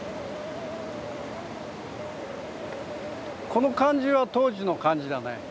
この感じは当時の感じだね